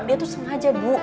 dia tuh sengaja bu